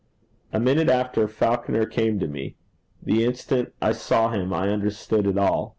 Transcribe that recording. A minute after, Falconer came to me. The instant I saw him I understood it all.